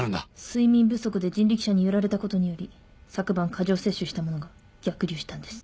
睡眠不足で人力車に揺られたことにより昨晩過剰摂取したものが逆流したんです。